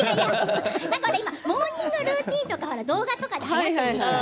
今モーニングルーティンとか動画であるでしょう。